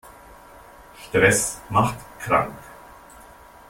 Stress macht krank.